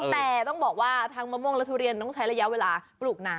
มันต้องต้องลงมาหม่วงและทุเรียนใช้ระยะเวลาต้องปลูกนาน